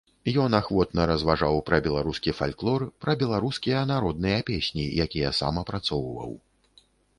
Ён ахвотна разважаў пра беларускі фальклор, пра беларускія народныя песні, якія сам апрацоўваў.